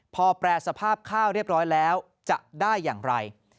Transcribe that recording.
พอแปรสภาพข้าวเรียบร้อยแล้วจะได้อย่างไร